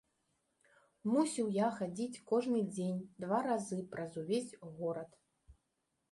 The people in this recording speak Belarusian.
Мусіў я хадзіць кожны дзень два разы праз увесь горад.